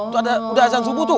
tuh ada udah azan subuh tuh